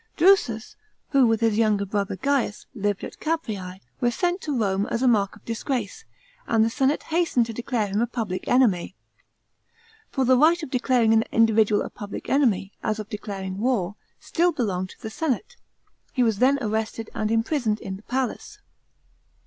Drusus, who, with his younger brother Gains, lived at Caprese, was sent to Rome, as a mark of disgrace, and the senate hastened to declare him a public enemy. F«>r the right of declaring an individual a public enemy, as of declaring war, still belonged to the senate. He was then arrested and imprisoned in the palace.